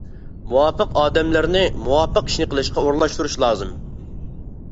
مۇۋاپىق ئادەملەرنى مۇۋاپىق ئىشنى قىلىشقا ئورۇنلاشتۇرۇش لازىم.